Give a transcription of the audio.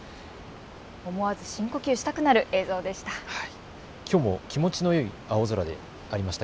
思わず深呼吸したくなる映像でした。